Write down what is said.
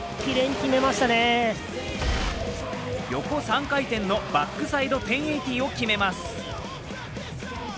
横３回転のバックサイド１０８０を決めます。